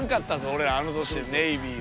俺あの年でネイビーは。